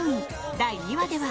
第２話では。